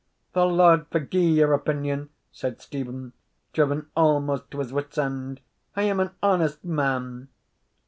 "The Lord forgie your opinion," said Stephen, driven almost to his wits' end "I am an honest man."